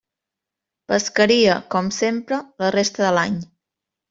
Pescaria, com sempre, la resta de l'any.